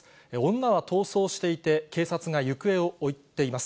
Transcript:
女は逃走していて、警察が行方を追っています。